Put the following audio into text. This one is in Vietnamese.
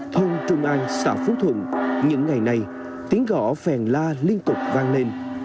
thôn trung an xã phú thuận những ngày này tiếng gõ phiền la liên cục vang lên